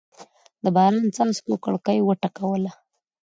د باران څاڅکو کړکۍ وټکوله.